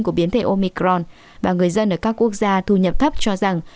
của biến thể omicron và người dân ở các quốc gia thu nhập thấp cho rằng